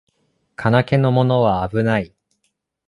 金気のものはあぶない